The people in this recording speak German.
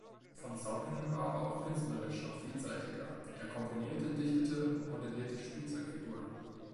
Von Saucken war aber künstlerisch noch vielseitiger, er komponierte, dichtete und modellierte Spielzeugfiguren.